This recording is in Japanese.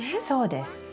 そうです。